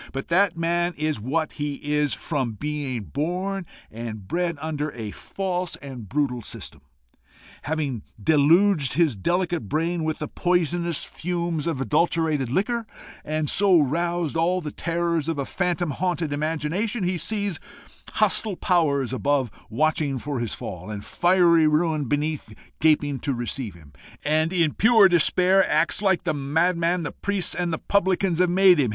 But that man is what he is from being born and bred under a false and brutal system. Having deluged his delicate brain with the poisonous fumes of adulterated liquor, and so roused all the terrors of a phantom haunted imagination, he sees hostile powers above watching for his fall, and fiery ruin beneath gaping to receive him, and in pure despair acts like the madman the priests and the publicans have made him.